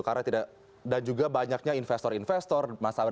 karena tidak dan juga banyaknya investor investor